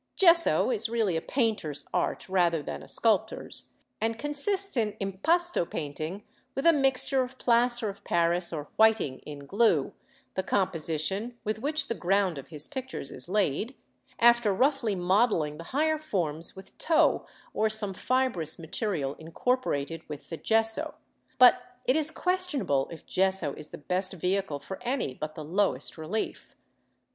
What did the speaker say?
Gesso is really a painter's art rather than a sculptor's, and consists in impasto painting with a mixture of plaster of Paris or whiting in glue (the composition with which the ground of his pictures is laid) after roughly modelling the higher forms with tow or some fibrous material incorporated with the gesso; but it is questionable if gesso is the best vehicle for any but the lowest relief.